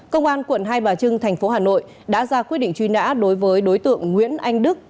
công an quận hai bà trưng thành phố hà nội đã ra quyết định truy nã đối với đối tượng nguyễn anh đức